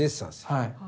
はい。